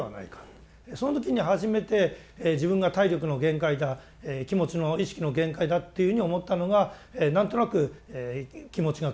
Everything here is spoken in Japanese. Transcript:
その時に初めて自分が体力の限界だ気持ちの意識の限界だというふうに思ったのが何となく気持ちが崩れる。